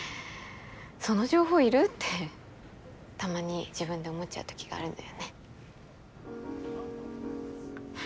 その情報要る？ってたまに自分で思っちゃう時があるんだよね。